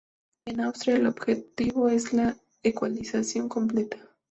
En Australia, el objetivo es la ecualización completa.